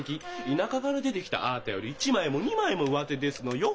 田舎から出てきたああたより一枚も二枚もうわてですのよ。